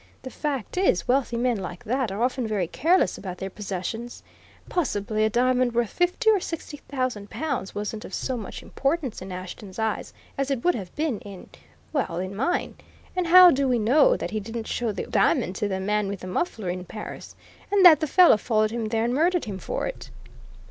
The fact is, wealthy men like that are often very careless about their possessions. Possibly a diamond worth fifty or sixty thousand pounds wasn't of so much importance in Ashton's eyes as it would have been in well, in mine. And how do we know that he didn't show the diamond to the man with the muffler, in Paris, and that the fellow followed him here and murdered him for it?"